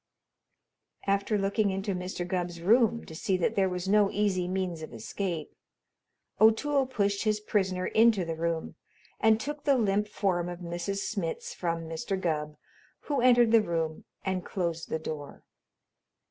After looking into Mr. Gubb's room to see that there was no easy means of escape, O'Toole pushed his prisoner into the room and took the limp form of Mrs. Smitz from Mr. Gubb, who entered the room and closed the door.